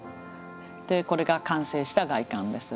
でこれが完成した外観です。